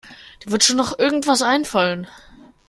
Dir wird schon noch irgendetwas einfallen.